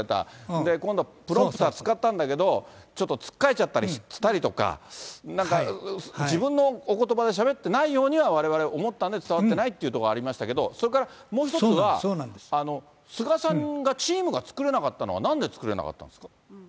で、今度はプロンプター使ったんだけど、ちょっとつっかえちゃったりしたりとか、なんか、自分のおことばでしゃべってないようにはわれわれ思ったんで、伝わってないってところありましたけど、それからもう１つは、菅さんがチームが作れなかったのは、なんで作れなかったんですか。